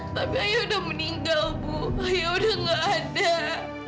saya udah meninggal bu saya udah nggak ada